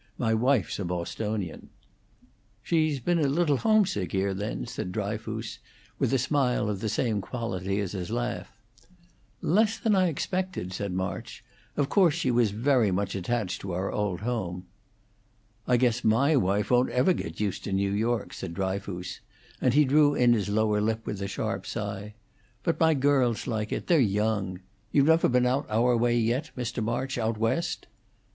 My wife's a Bostonian." "She's been a little homesick here, then," said Dryfoos, with a smile of the same quality as his laugh. "Less than I expected," said March. "Of course, she was very much attached to our old home." "I guess my wife won't ever get used to New York," said Dryfoos, and he drew in his lower lip with a sharp sigh. "But my girls like it; they're young. You never been out our way yet, Mr. March? Out West?"